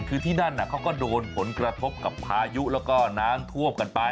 คือที่นั่นเขาก็โดนผลกระทบกับพายุแล้วก็น้ำท่วมกันไป